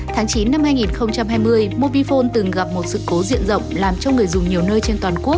tháng chín năm hai nghìn hai mươi mobifone từng gặp một sự cố diện rộng làm cho người dùng nhiều nơi trên toàn quốc